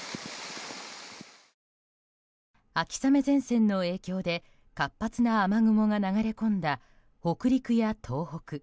秋雨前線の影響で活発な雨雲が流れ込んだ北陸や東北。